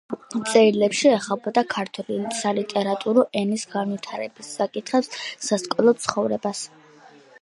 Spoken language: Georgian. წერილებში ეხებოდა ქართული სალიტერატურო ენის განვითარების საკითხებს, სასკოლო ცხოვრებას.